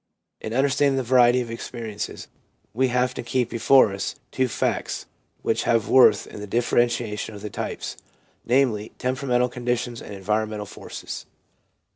In understanding the variety of experiences we have to keep before us two facts which have worth in the differentiation of the types, namely, temperamental conditions and environ mental forces.